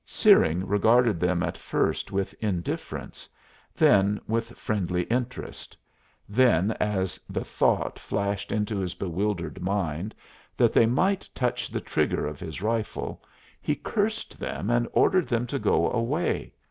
Searing regarded them at first with indifference, then with friendly interest; then, as the thought flashed into his bewildered mind that they might touch the trigger of his rifle, he cursed them and ordered them to go away.